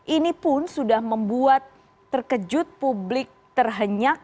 ini pun sudah membuat terkejut publik terhenyak